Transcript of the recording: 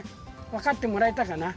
わかってもらえたかな？